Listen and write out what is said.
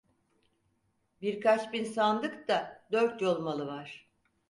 Birkaç bin sandık da Dörtyol malı var.